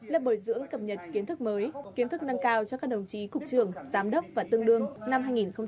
lớp bồi dưỡng cập nhật kiến thức mới kiến thức nâng cao cho các đồng chí cục trưởng giám đốc và tương đương năm hai nghìn một mươi tám